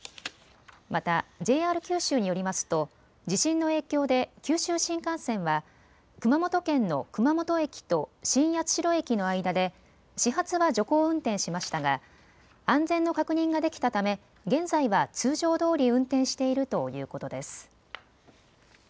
また、ＪＲ九州によりますと地震の影響で九州新幹線は熊本県の熊本駅と新八代駅の間で始発は徐行運転しましたが安全の確認ができたため現在は通常どおり運転しているということです。